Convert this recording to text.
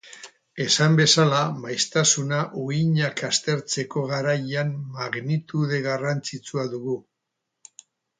Esan bezala maiztasuna uhinak aztertzeko garaian magnitude garrantzitsua dugu.